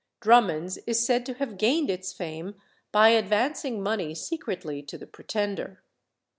Drummond's is said to have gained its fame by advancing money secretly to the Pretender.